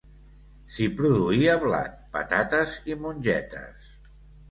S'hi produïa blat, patates i mongetes.